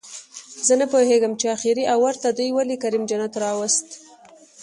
زه نپوهېږم چې اخري اوور ته دوئ ولې کریم جنت راووست